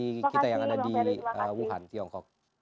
bagi kita yang ada di wuhan tiongkok